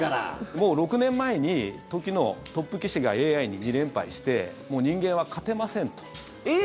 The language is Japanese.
もう６年前に時のトップ棋士がＡＩに２連敗してもう人間は勝てませんと。